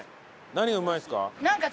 何がうまいですか？